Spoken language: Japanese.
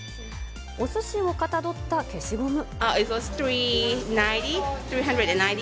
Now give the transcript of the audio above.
おすしをかたどった消しゴム。